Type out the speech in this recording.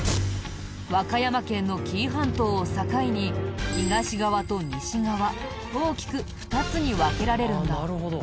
和歌山県の紀伊半島を境に東側と西側大きく２つに分けられるんだ。